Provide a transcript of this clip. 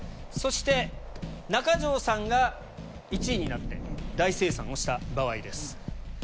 そして中条さんが１位になって大精算をした場合です。